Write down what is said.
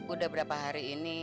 udah berapa hari ini